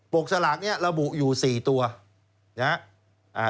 ปกสลากเนี่ยระบุอยู่๔ตัวนะ